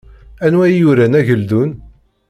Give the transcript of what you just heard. Anwa i yuran Ageldun?